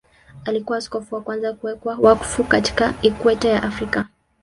Alikuwa askofu wa kwanza kuwekwa wakfu katika Ikweta ya Afrika.